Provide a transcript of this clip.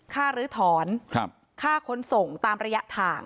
หรือถอนค่าขนส่งตามระยะทาง